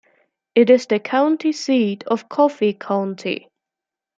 It is the county seat of Coffee County.